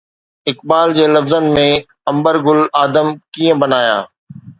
اقبال جي لفظن ۾، عنبر گل آدم ڪيئن بڻايان؟